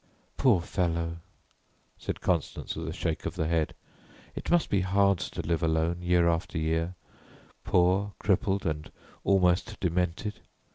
"Poor fellow," said Constance, with a shake of the head, "it must be hard to live alone year after year poor, crippled and almost demented.